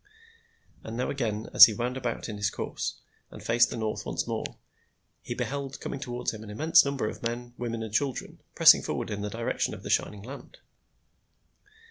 And now again as he wound about in his course, and faced the north once more, he beheld coming toward him an immense number of men, women, and children, pressing forward in the direction of the shining land.